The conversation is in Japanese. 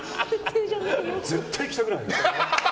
絶対行きたくない。